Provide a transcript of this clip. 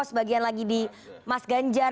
sebagian lagi di mas ganjar